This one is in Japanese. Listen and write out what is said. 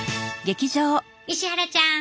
石原ちゃん